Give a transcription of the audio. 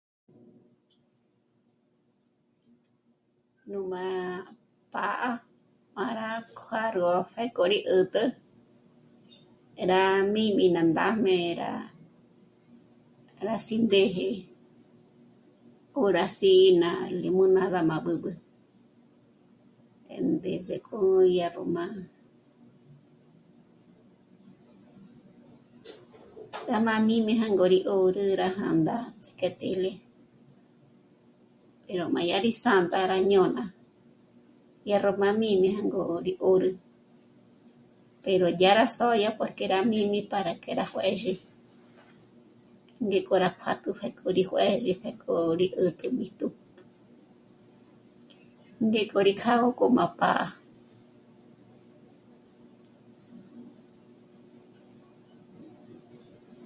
Nú ma pá'a má rá kuárü pjéko ri 'ä̀t'ä, rá míjmi ná ndájme rá... rá sí ndèje o rá si ná limonada má b'ǘb'ü 'endés'e ko dyá ró má... ndá má míjme jângo rí 'òrü rá jā̂ndā ts'ík'e tele, 'eró má ya rí s'á'a ndā rá ñö́na ya ró má míjme jângo rí 'òrü, pero dya rá sö́ya porque rá mími para que rá juë̌zhi ngék'o rá juátu pjéko rí juë̌zhi pjeko rí 'ä̀t'ä b'íjtu ngék'o rí kjâgo k'o má pá'a